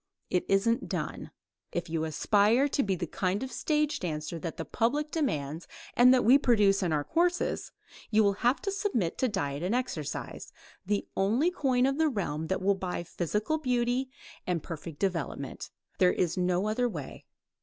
"It isn't done." If you aspire to be the kind of stage dancer that the public demands and that we produce in our courses, you will have to submit to diet and exercise, the only coin of the realm that will buy physical beauty and perfect development. There is no other way.